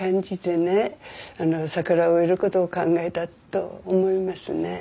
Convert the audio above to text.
桜を植えることを考えたと思いますね。